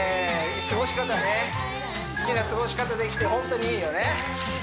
過ごし方ね好きな過ごし方できてホントにいいよね